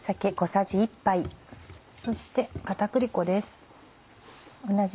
そして片栗粉です。